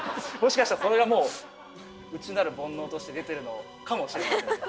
もしかしたらそれがもう内なる煩悩として出てるのかもしれません。